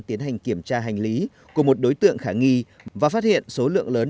tiến hành kiểm tra hành lý của một đối tượng khả nghi và phát hiện số lượng lớn